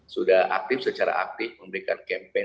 sudah aktif secara aktif memberikan campaign